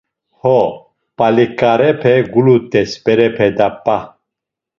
Ho, p̌aliǩarepe gulut̆es, berepe da p̌a!